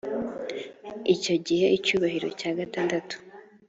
icyo gihe icyubahiro cya gatandatu